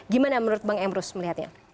gimana menurut bang emrus melihatnya